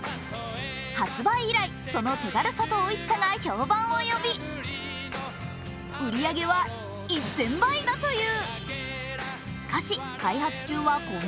発売以来その手軽さとおいしさが評判を呼び売り上げは１０００倍だという。